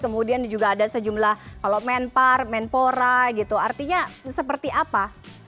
kemudian juga ada sejumlah kalau menpar menpora gitu artinya seperti apa